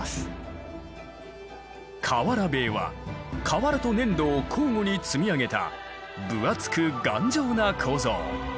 瓦塀は瓦と粘土を交互に積み上げた分厚く頑丈な構造。